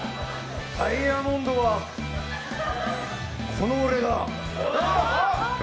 ダイヤモンドはこの俺だ！